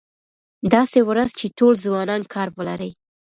داسې ورځ چې ټول ځوانان کار ولري.